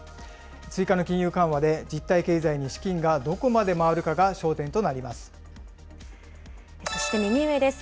追加の金融緩和で実体経済に資金がどこまで回るかが焦点となりまそして右上です。